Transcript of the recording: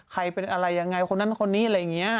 ใครเป็นอะไรยังไงคนนั้นคนนี้อะไรอย่างนี้